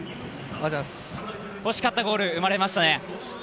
欲しかったゴールが生まれましたね。